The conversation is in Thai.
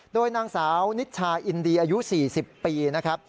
โดยนางสาวนิชชาอินดีอายุ๔๐ปีนะครับ